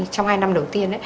trong hai năm đầu tiên